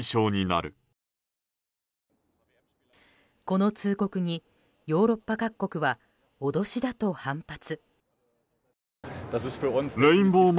この通告にヨーロッパ各国は脅しだと反発。